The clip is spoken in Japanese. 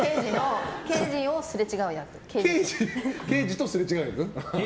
刑事とすれ違う役。